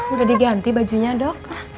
udah diganti bajunya dok